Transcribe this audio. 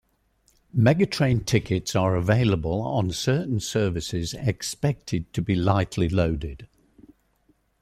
Megatrain tickets are available on certain services expected to be lightly loaded.